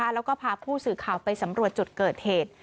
แล้วก็พาผู้สื่อข่าวไปสำรวจจุดเกิดเหตุ